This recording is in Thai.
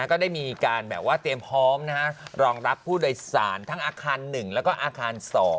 ก็ได้มีการแบบว่าเตรียมพร้อมรองรับผู้โดยสารทั้งอาคาร๑แล้วก็อาคาร๒